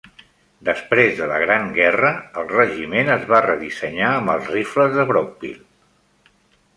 Després de la Gran Guerra, el regiment es va redissenyar amb els rifles de Brockville.